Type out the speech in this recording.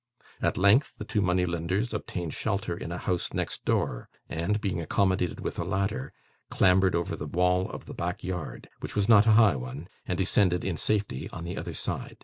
At length, the two money lenders obtained shelter in a house next door, and, being accommodated with a ladder, clambered over the wall of the back yard which was not a high one and descended in safety on the other side.